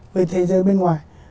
với thế giới bên ngoài